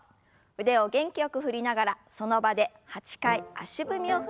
腕を元気よく振りながらその場で８回足踏みを踏みます。